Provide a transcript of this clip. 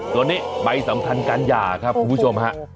ตัวนี้ใบสำคัญการหย่าครับคุณผู้ชมฮะ